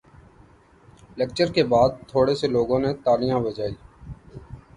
lecture کے بات تھورے سے لوگوں نے تالیاں بجائی